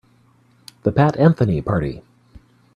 The Pat Anthony Party.